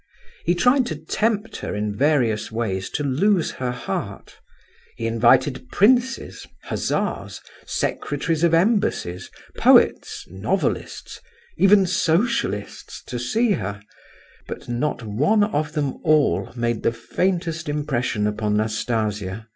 He tried to tempt her in various ways to lose her heart; he invited princes, hussars, secretaries of embassies, poets, novelists, even Socialists, to see her; but not one of them all made the faintest impression upon Nastasia.